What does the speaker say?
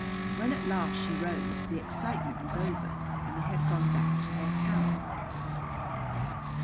When at last she rose the excitement was over and they had gone back to their camp.